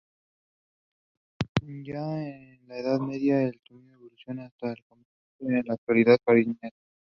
Ya en la Edad Media, el topónimo evolucionará hasta convertirse en el actual Cariñena.